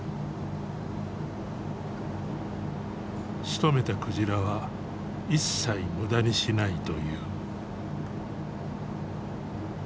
しとめた鯨は一切無駄にしないという。